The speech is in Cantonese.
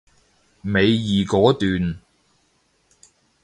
尾二嗰段